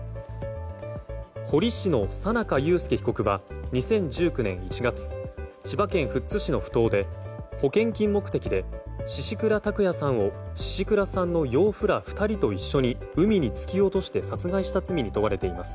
彫り師の佐中佑輔被告は２０１９年１月千葉県富津市のふ頭で保険金目的で宍倉拓也さんを宍倉さんの養父ら２人と一緒に海に突き落として殺害した罪に問われています。